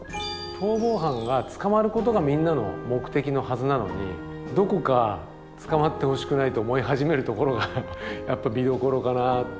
逃亡犯が捕まることがみんなの目的のはずなのにどこか捕まってほしくないと思い始めるところが見どころかな。